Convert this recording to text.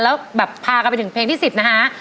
แล้วแบบพากันไปถึงเพลงที่๑๐นะฮะ